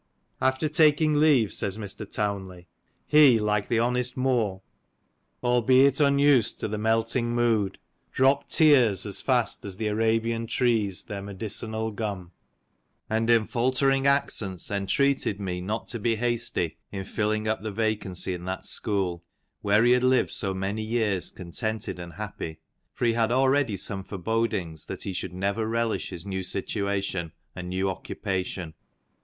"After taking leave," says Mr. Townley, " he, like the honest Moor, XIV "Albeit unused to the melting mood, Dropp'd tears as fast as the Arabian trees Their medicinal gum," and in faltering accents entreated me not to be hasty in filling up the vacancy in that school, where he had lived so many years contented and happy, for he had already some forebodings that he should never relish his new situation and new occupation.